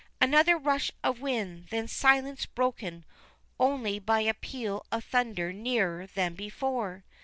Another rush of wind, then silence broken only by a peal of thunder nearer than before.